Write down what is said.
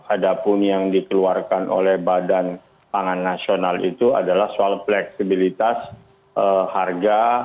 ada pun yang dikeluarkan oleh badan pangan nasional itu adalah soal fleksibilitas harga